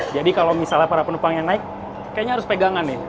jadi kalau misalnya para penumpang yang naik kayaknya harus pegangan nih